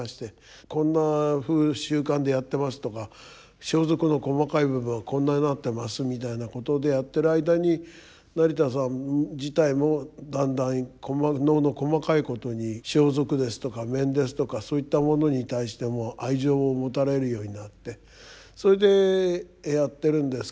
こんなふう習慣でやってますとか装束の細かい部分はこんなになってますみたいなことでやってる間に成田さん自体もだんだん能の細かいことに装束ですとか面ですとかそういったものに対しても愛情を持たれるようになってそれでやってるんですけれども。